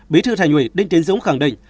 bí thư thành ủy đinh tiến dũng khẳng định